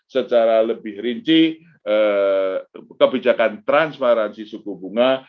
secara lebih rinci kebijakan transparansi suku bunga